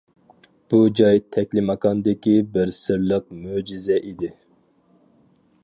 بۇ جاي تەكلىماكاندىكى بىر سىرلىق مۆجىزە ئىدى.